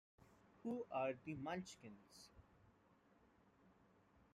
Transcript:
Who are the Munchkins?